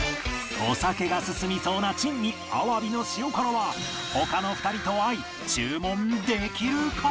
お酒が進みそうな珍味アワビの塩辛は他の２人と合い注文できるか？